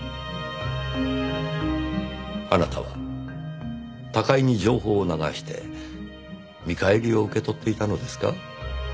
あなたは高井に情報を流して見返りを受け取っていたのですか？